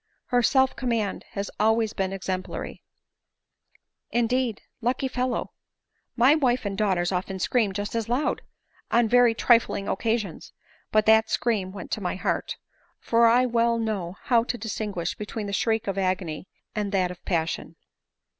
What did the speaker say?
Her self command has always been exemplary." " Indeed ?— Lucky fellow ! My wife and daughters often scream just as loud, on very trifling occasions ; but that scream went to my heart ; for I well know how to 11* u 122 ADELINE MOWBRAY. distinguish between the shriek of agony and that of pas sion."